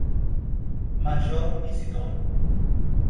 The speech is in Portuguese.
Major Izidoro